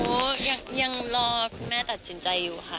โอ้โฮยังรอแม่ตัดสินใจอยู่ค่ะ